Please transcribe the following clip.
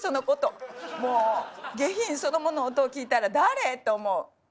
もう下品そのものの音を聞いたら「誰⁉」と思う。